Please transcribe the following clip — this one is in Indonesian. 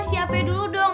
siapin dulu dong